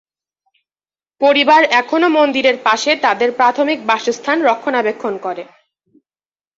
পরিবার এখনও মন্দিরের পাশে তাদের প্রাথমিক বাসস্থান রক্ষণাবেক্ষণ করে।